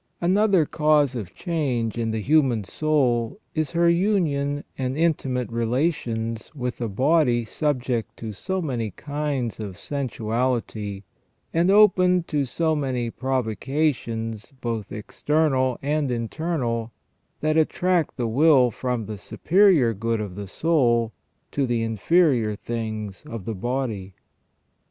Another cause of change in the human soul is her union and intimate relations with a body subject to so many kinds of sensua lity, and open to so many provocations both external and internal, that attract the will from the superior good of the soul to the inferior things of the body.